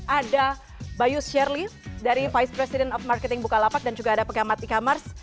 ada bayu sherly dari vice president of marketing bukalapak dan juga ada pengamat e commerce